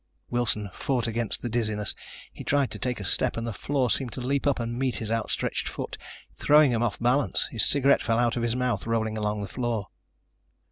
Wilson fought against the dizziness. He tried to take a step and the floor seemed to leap up and meet his outstretched foot, throwing him off balance. His cigarette fell out of his mouth, rolled along the floor.